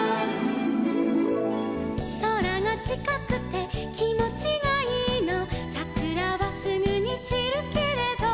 「空がちかくてきもちがいいの」「さくらはすぐに散るけれど」